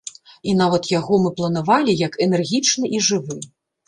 І нават яго мы планавалі як энергічны і жывы.